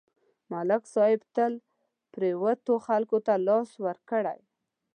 ملک صاحب تل پرېوتو خلکو ته لاس ورکړی